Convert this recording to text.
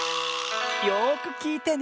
よくきいてね。